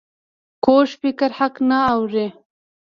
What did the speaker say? کوږ فکر حق نه اوري